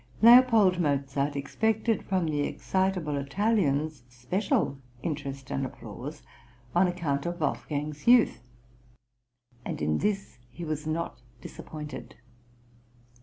L. Mozart expected from the excitable Italians special interest and applause on account of Wolfgang's youth; and in this he was not disappointed.